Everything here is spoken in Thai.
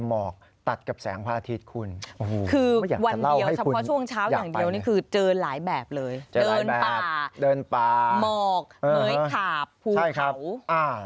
เจอหลายแบบเจอหลายแบบเดินป่าเหมอกเหมือยขาบภูเขาใช่ครับ